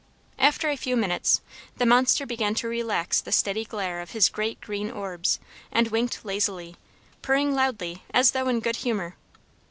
After a few minutes the monster began to relax the steady glare of his great green orbs, and winked lazily, purring loudly as though in good humor.